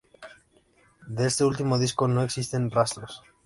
De este último disco no existen rastros.